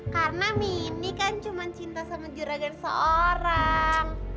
karena mini kan cinta sama juragan seorang